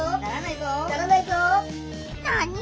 なに！？